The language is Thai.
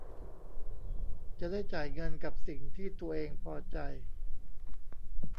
จะได้จ่ายเงินกับสิ่งที่ตัวเองพอใจ